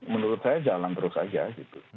menurut saya jalan terus aja gitu